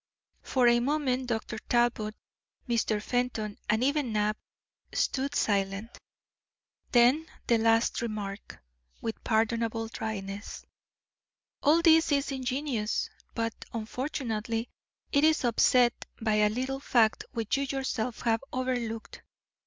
For a moment Dr. Talbot, Mr. Fenton, and even Knapp stood silent; then the last remarked, with pardonable dryness: "All this is ingenious, but, unfortunately, it is up set by a little fact which you yourself have overlooked.